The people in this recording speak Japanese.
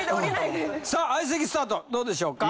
さあ相席スタートどうでしょうか？